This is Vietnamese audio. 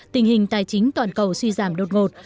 tình hình tài chính toàn cầu suy giảm đột ngột